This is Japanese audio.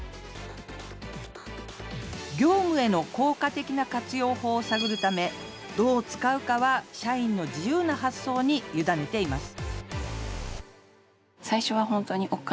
業務への効果的な活用法を探るためどう使うかは社員の自由な発想に委ねています